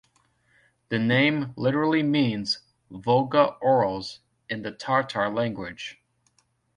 The name literally means "Volga-Urals" in the Tatar language.